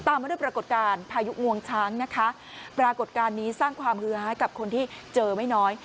มาด้วยปรากฏการณ์พายุงวงช้างนะคะปรากฏการณ์นี้สร้างความฮือหากับคนที่เจอไม่น้อย